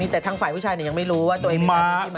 แต่ทางฝ่ายผู้ชายยังไม่รู้ว่าตัวเองเมาใช่ไหม